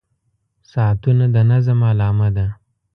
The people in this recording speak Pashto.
• ساعتونه د نظم علامه ده.